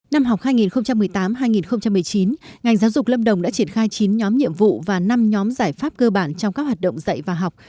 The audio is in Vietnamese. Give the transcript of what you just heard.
năm học hai nghìn một mươi tám hai nghìn một mươi chín ngành giáo dục lâm đồng đã triển khai chín nhóm nhiệm vụ và năm nhóm giải pháp cơ bản trong các hoạt động dạy và học